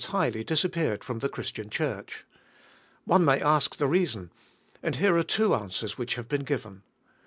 tirely disappeared from the Christian Church. One may ask the reason, and here aire the two answers which have been given.